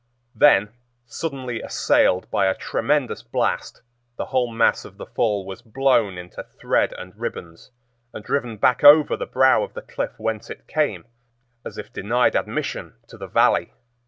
Then, suddenly assailed by a tremendous blast, the whole mass of the fall was blown into thread and ribbons, and driven back over the brow of the cliff whence it came, as if denied admission to the Valley.